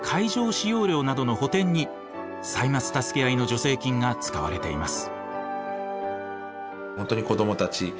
使用料などの補填に「歳末たすけあい」の助成金が使われています。